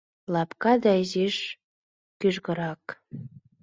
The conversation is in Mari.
— Лапка да изиш кӱжгырак.